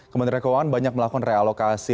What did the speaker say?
kementerian keuangan banyak melakukan realokasi